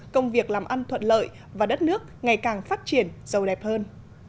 công việc làm ăn thuận lợi và đất nước ngày càng phát triển giàu đẹp hơn